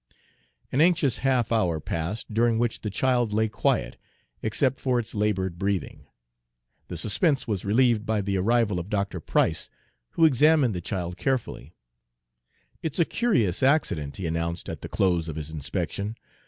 An anxious half hour passed, during which the child lay quiet, except for its labored breathing. The suspense was relieved by the arrival of Dr. Price, who examined the child carefully. "It's a curious accident," he announced at the close of his inspection.